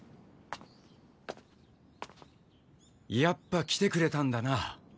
やっぱ来てくれたんだな。